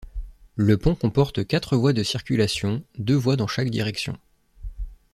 Le pont comporte quatre voies de circulation, deux voies dans chaque direction.